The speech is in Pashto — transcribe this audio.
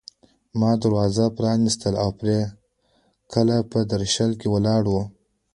ما دروازه پرانيستله او پري ګله په درشل کې ولاړه وه